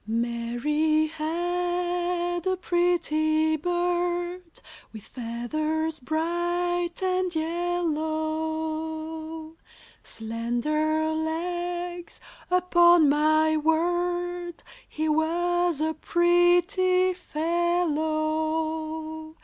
] Mary had a pretty bird, With feathers bright and yellow, Slender legs upon my word, He was a pretty fellow.